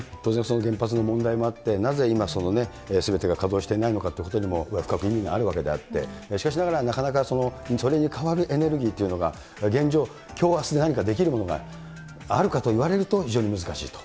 原発の問題があって、なぜ今、すべてが稼働してないのかというのも深く意味があるわけであって、しかしながら、なかなかそれに代わるエネルギーというのが現状、きょう、あすで何かできるものがあるかというと、非常に難しいと。